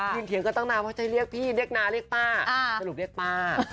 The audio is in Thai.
เถียงกันตั้งนานว่าจะเรียกพี่เรียกน้าเรียกป้าสรุปเรียกป้า